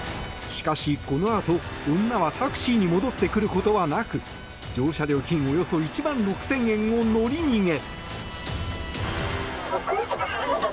しかし、このあと女はタクシーに戻ってくることはなく乗車料金およそ１万６０００円を乗り逃げ。